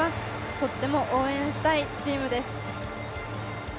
とっても応援したいチームです。